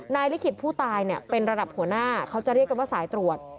ลิขิตผู้ตายเป็นระดับหัวหน้าเขาจะเรียกกันว่าสายตรวจ